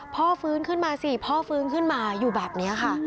ฟื้นขึ้นมาสิพ่อฟื้นขึ้นมาอยู่แบบนี้ค่ะ